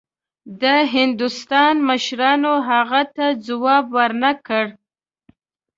د هندوستان مشرانو هغه ته ځواب ورنه کړ.